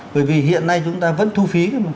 bởi vì hiện nay chúng ta vẫn thu phí